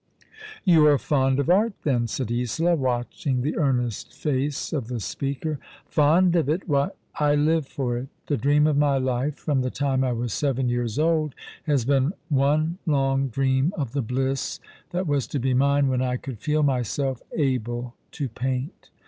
"You are fond of art, then?" said Isola, watching th© earnest face of the speaker. io6 All along" the River. s " Fond of it ! Why, I live for it ! The dream of mj life from the time I was seven years old has been one long dream of the bliss that was to be mine when I could feel myself able to paint.